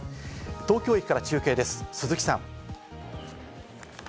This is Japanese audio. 東京駅から中継です、鈴木さん。